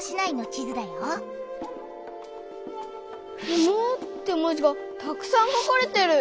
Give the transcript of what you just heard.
「不毛」って文字がたくさん書かれてる。